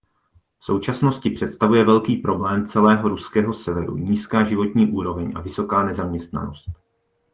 V současnosti představuje velký problém celého ruského severu nízká životní úroveň a vysoká nezaměstnanost.